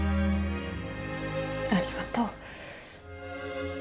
ありがとう。